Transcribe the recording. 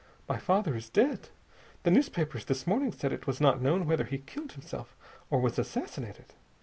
My father is dead. The newspapers this morning said that it was not known whether he killed himself or was assassinated.